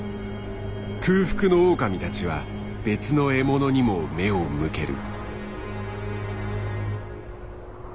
空腹のオオカミたちは別の獲物にも目を向ける。